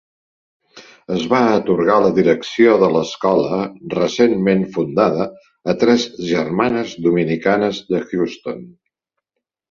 Es va atorgar la direcció de l'escola recentment fundada a tres germanes dominicanes de Houston.